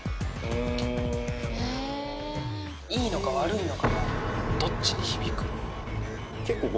いいのか悪いのかどっちに響く？